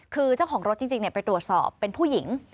คือเจ้าของรถจริงไปตรวจสอบเป็นผู้หญิง